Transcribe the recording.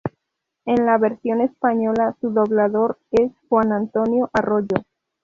En la versión española su doblador es Juan Antonio Arroyo.